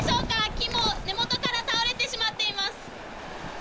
木も根元から倒れてしまっています。